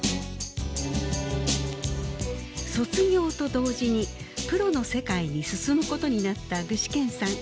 卒業と同時にプロの世界に進むことになった具志堅さん。